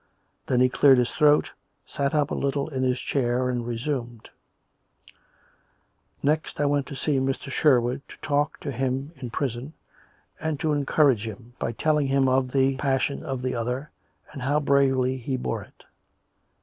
Then he cleared his throat, sat up a little in his chair, and resumed: "' Next I went to see Mr. Sherwood, to talk to him in prison and to encourage him by telling him of the passion of the other and how bravely he bore it.